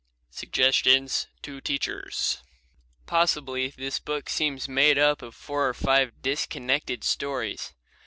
Suggestions to Teachers Possibly this book seems made up of four or five disconnected stories.